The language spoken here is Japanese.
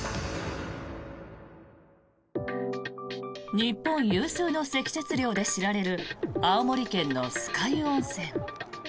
日本有数の積雪量で知られる青森県の酸ヶ湯温泉。